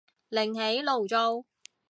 另起爐灶